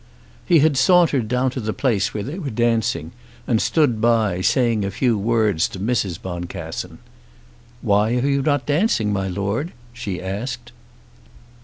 He had sauntered down to the place where they were dancing and stood by, saying a few words to Mrs. Boncassen. "Why are you not dancing, my Lord?" she asked.